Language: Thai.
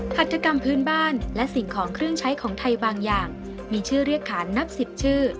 หัตถกรรมพื้นบ้านและสิ่งของเครื่องใช้ของไทยบางอย่างมีชื่อเรียกขานนับ๑๐ชื่อ